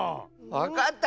わかった！